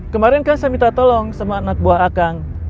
kemarin kan saya minta tolong sama anak buah akang